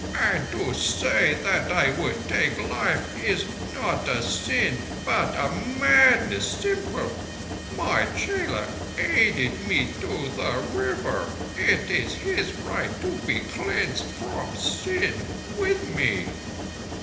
"And to say that I would take life is—not a sin, but a madness simple. My chela aided me to the River. It is his right to be cleansed from sin—with me."